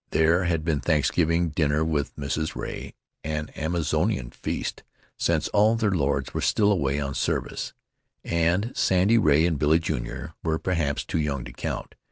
There had been Thanksgiving dinner with Mrs. Ray, an Amazonian feast since all their lords were still away on service, and Sandy Ray and Billy, Jr., were perhaps too young to count.